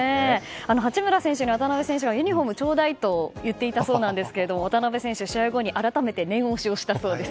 八村選手に渡邊選手がユニホームちょうだいと言っていたそうなんですが渡邊選手は試合後に改めて念押ししたそうです。